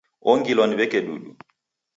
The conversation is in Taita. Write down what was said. Ongilwa ni w'eke dudu.